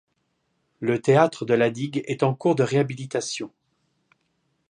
Le théâtre de la digue est en cours de réhabilitation.